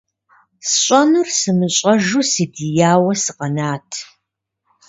СщӀэнур сымыщӀэжу, сыдияуэ сыкъэнат.